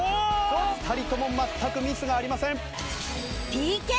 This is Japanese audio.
２人とも全くミスがありません。